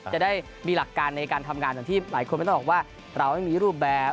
จะได้มีหลักการในการทำงานอย่างที่หลายคนไม่ต้องบอกว่าเราไม่มีรูปแบบ